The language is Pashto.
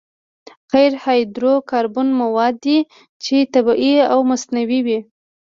قیر هایدرو کاربن مواد دي چې طبیعي او مصنوعي وي